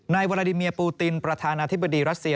วาลาดิเมียปูตินประธานาธิบดีรัสเซีย